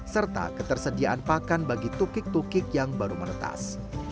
serta ketersediaan pakan bagi tukik tukik yang baru menetas